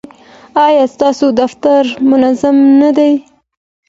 ایا ستاسو دفتر منظم نه دی؟